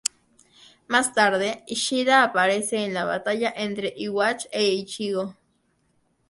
Más tarde, Ishida aparece en la batalla entre Yhwach e Ichigo.